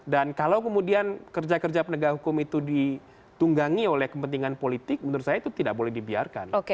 dan kalau kemudian kerja kerja penegakan hukum itu ditunggangi oleh kepentingan politik menurut saya itu tidak boleh dibiarkan